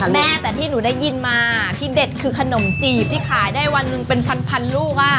แม่แต่ที่หนูได้ยินมาที่เด็ดคือขนมจีบที่ขายได้วันหนึ่งเป็นพันลูก